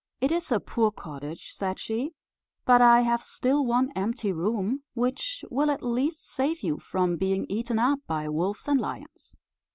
"It is a poor cottage," said she; "but I have still one empty room, which will at least save you from being eaten up by wolves and lions."